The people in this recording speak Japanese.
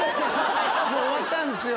もう終わったんすよ。